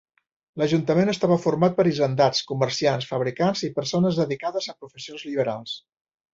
L'ajuntament estava format per hisendats, comerciants, fabricants i persones dedicades a professions liberals.